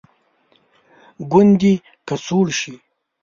ګوندې که سوړ شي.